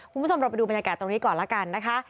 คุณผู้ชมเราไปดูบรรยากาศตรงนี้ก่อนแล้วกันนะคะ